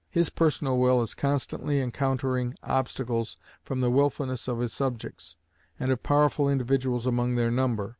His personal will is constantly encountering obstacles from the willfulness of his subjects, and of powerful individuals among their number.